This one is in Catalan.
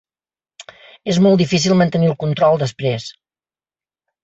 És molt difícil mantenir el control, després.